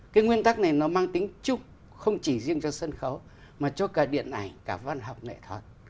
cái nguyên tắc này nó mang tính chung không chỉ riêng cho sân khấu mà cho cả điện ảnh cả văn học nghệ thuật